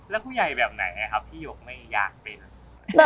แล้วผู้ใหญ่แบบไหนครับที่หยกไม่อยากเป็น